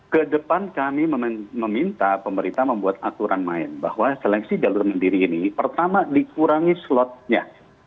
kedepan kami meminta pemerintah membuat aturan main bahwa seleksi jalur mandiri ini pertama dikurangi slotnya